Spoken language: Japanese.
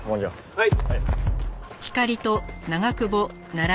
はい。